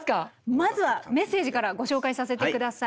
まずはメッセージからご紹介させて下さい。